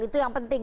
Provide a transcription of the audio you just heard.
itu yang penting